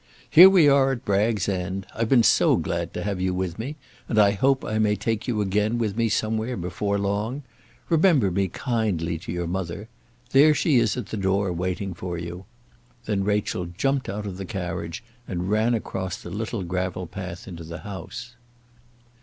Here we are at Bragg's End. I've been so glad to have you with me; and I hope I may take you again with me somewhere before long. Remember me kindly to your mother. There she is at the door waiting for you." Then Rachel jumped out of the carriage, and ran across the little gravel path into the house.